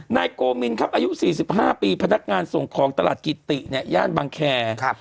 นายโกมินครับอายุ๔๕ปีพนักงานส่งของตลาดกิติเนี่ยย่านบางแคร์